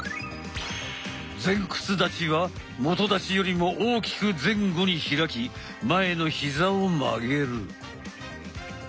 前屈立ちは基立ちよりも大きく前後に開き前の膝を曲げる。